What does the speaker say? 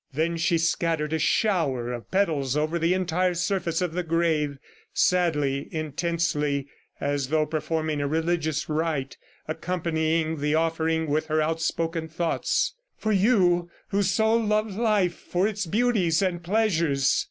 Then she scattered a shower of petals over the entire surface of the grave, sadly, intensely, as though performing a religious rite, accompanying the offering with her outspoken thoughts "For you who so loved life for its beauties and pleasures!